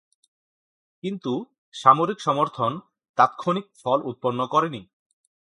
কিন্তু, সামরিক সমর্থন তাৎক্ষণিক ফল উৎপন্ন করেনি।